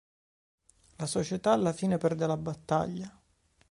La Società, alla fine, perde la battaglia.